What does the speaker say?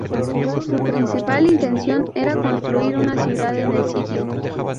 Su principal intención era construir una ciudad en el sitio.